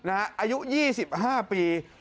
อายุ๒๕ปี